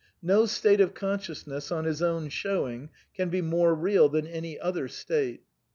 No state of con sciousness, on his own showing, can be more real than any other state.